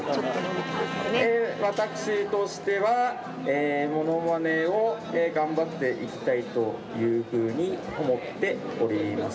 私としてはえモノマネを頑張っていきたいというふうに思っております。